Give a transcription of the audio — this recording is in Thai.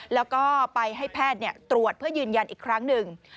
แล้วก็ไปให้แพทย์ตรวจเพื่อยืนยันอีกครั้งหนึ่ง